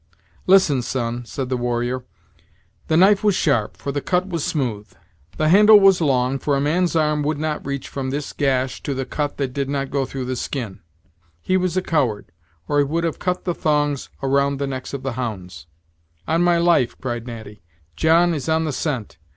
"Listen, son," said the warrior. "The knife was sharp, for the cut was smooth; the handle was long, for a man's arm would not reach from this gash to the cut that did not go through the skin; he was a coward, or he would have cut the thongs around the necks of the hounds." "On my life," cried Natty, "John is on the scent!